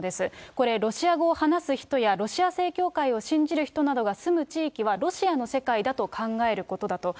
これ、ロシア語を話す人やロシア正教会を信じる人などが住む地域はロシアの世界だと考えることだと。